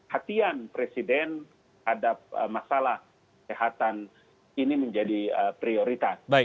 hatian presiden terhadap masalah kesehatan ini menjadi prioritas